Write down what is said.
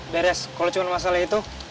beres kalau cuma masalah itu